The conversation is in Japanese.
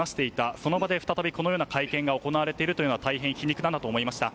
その中で、このような会見が行われているというのは大変皮肉だなと思いました。